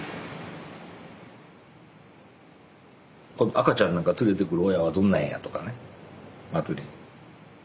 赤ちゃんなんか連れてくる親はどんなんやとかね祭りに。